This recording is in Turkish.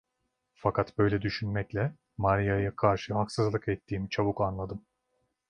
Fakat böyle düşünmekle Maria'ya karşı haksızlık ettiğimi çabuk anladım.